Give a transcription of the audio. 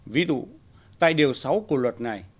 ví dụ tại điều sáu của luật này